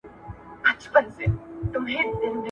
د ښوونکو لپاره د مسلکي پرمختګ فرصتونه نه وو.